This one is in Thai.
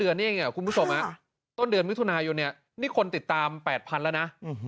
คุณผู้ชมต้นเดือนมิถุนายนนี่คนติดตาม๘๐๐๐แล้วนะ